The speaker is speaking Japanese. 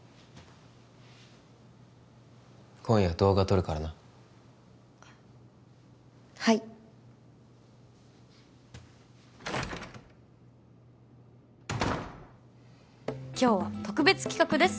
今夜動画撮るからなはい今日は特別企画です